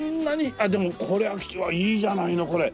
でもこれ空き地はいいじゃないのこれ。